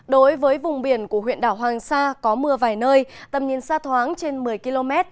đối với vùng biển của huyện đảo hoàng sa có mưa vài nơi tầm nhìn xa thoáng trên một mươi km